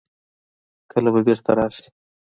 کله به بېرته راسي.